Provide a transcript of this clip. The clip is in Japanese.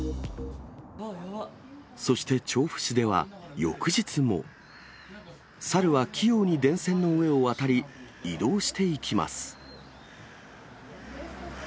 そして調布市では翌日も、猿は器用に電線の上を渡り、移動していきます。